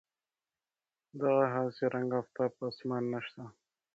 دغه هسې رنګ آفتاب په اسمان نشته.